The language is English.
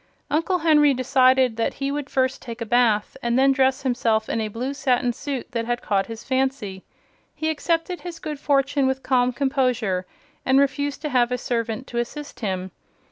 Uncle Henry decided that he would first take a bath and then dress himself in a blue satin suit that had caught his fancy. He accepted his good fortune with calm composure and refused to have a servant to assist him.